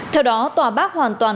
theo đó tòa bác hoàn toàn